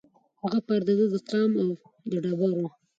هغه پر د ده د قام او د ټبر وو